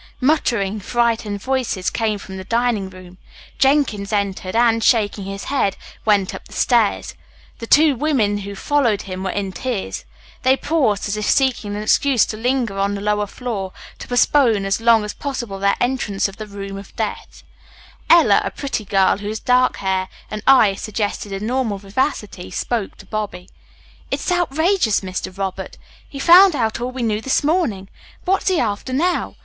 Muttering, frightened voices came from the dining room. Jenkins entered, and, shaking his head, went up the stairs. The two women who followed him, were in tears. They paused, as if seeking an excuse to linger on the lower floor, to postpone as long as possible their entrance of the room of death. Ella, a pretty girl, whose dark hair and eyes suggested a normal vivacity, spoke to Bobby. "It's outrageous, Mr. Robert. He found out all we knew this morning. What's he after now?